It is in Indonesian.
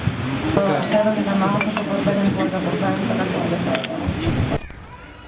saya akan menanggung untuk memperbaiki keluarga keluarga misalkan keluarga saya